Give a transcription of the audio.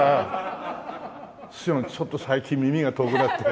ちょっと最近耳が遠くなって。